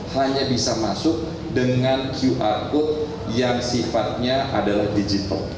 hanya bisa masuk dengan qr code yang sifatnya adalah digital